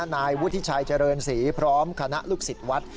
นายวุฒิชัยเจริญศรีพร้อมคณะลูกศิษย์วัด